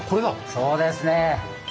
そうですね。